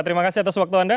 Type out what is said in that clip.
terima kasih atas waktu anda